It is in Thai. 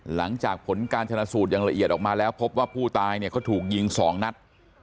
หลังจากผลการชนะสูตรอย่างละเอียดออกมาแล้วพบว่าผู้ตายเนี่ยเขาถูกยิง๒นัด